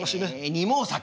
二毛作。